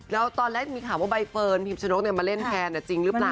แล้วตอนแรกมีข่าวว่าใบเฟิร์นพิมชนกมาเล่นแทนจริงหรือเปล่า